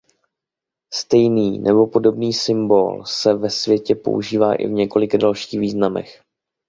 Stejný nebo podobný symbol se ve světě používá i v několika dalších významech.